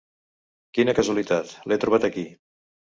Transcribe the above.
Quina casualitat, l'he trobat aquí.